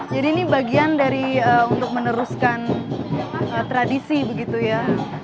jadi ini bagian dari untuk meneruskan tradisi begitu ya